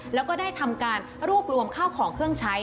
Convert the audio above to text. แล้วก็ได้ทำการรวบรวมข้าวของเครื่องใช้